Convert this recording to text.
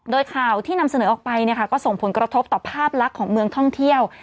โดยข่าวที่นำเสนอออกไปก็ส่งผลกระทบต่อภาพลักษณ์ของเมืองท่องเที่ยว